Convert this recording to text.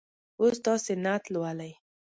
اوس تاسې نعت لولئ.